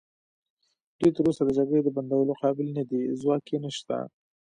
دوی تراوسه د جګړې د بندولو قابل نه دي، ځواک یې نشته.